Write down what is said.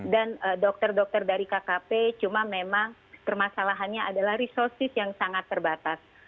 dan dokter dokter dari kkp cuma memang permasalahannya adalah resources yang sangat terbatas